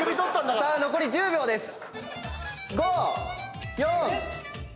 残り１０秒です。